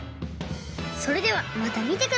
それではまたみてくださいね。